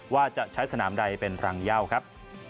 ว่าจะใช้สนามใดเป็นรังเยาครับ